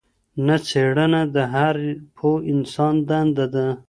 نه، څېړنه د هر پوه انسان دنده ده.